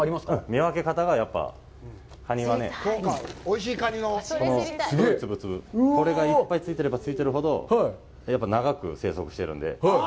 見分け方がやっぱりカニはね、この黒いつぶつぶ、これがいっぱいついてればついてるほど、やっぱり長く生息してるので。